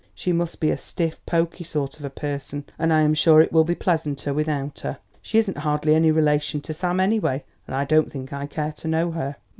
She must be a stiff, pokey sort of a person, and I am sure it will be pleasanter without her. She isn't hardly any relation to Sam, anyway, and I don't think I care to know her."